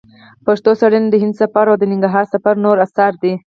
پښتو څېړنه د هند سفر او د ننګرهار سفر نور اثار دي.